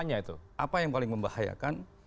apa yang paling membahayakan